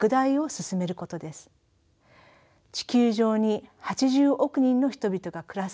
地球上に８０億人の人々が暮らす